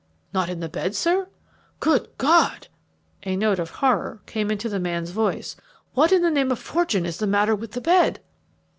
"Not in the bed, sir! Good God!" a note of horror came into the man's voice. "What in the name of fortune is the matter with the bed?"